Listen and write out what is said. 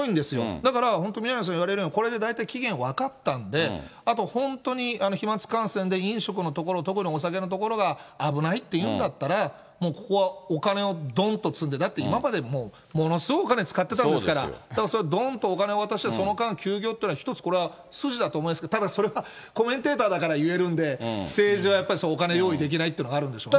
だから、本当宮根さん言われるように、大体期限分かったんで、あと本当に飛まつ感染で飲食の所、特にお酒のところが危ないっていうんだったら、もうここはお金をどーんと積んで、だって今までものすごいお金使ってたんですから、だからどーんとお金渡して、その間休業っていうのが筋だと思いますけど、ただそれはコメンテーターだから言えるんで、政治はやっぱりお金用意できないというのが、あるんでしょうね。